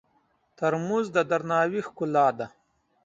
ترموز د درناوي ښکلا ده.